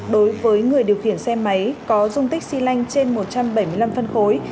đối với người điều khiển xe máy có dung tích xy lanh trên một trăm bảy mươi năm phân khối